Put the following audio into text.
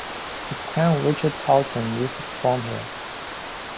The clown Richard Tarlton used to perform here.